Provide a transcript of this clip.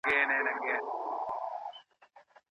شريعت د بندګانو حقوق نه ضايع کوي.